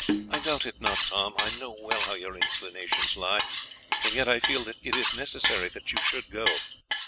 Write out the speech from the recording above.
"I doubt it not, Tom. I know well how your inclinations lie, and yet I feel that it is necessary that you should go.